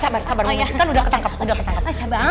sabar sabar kan udah ketangkap udah ketangkap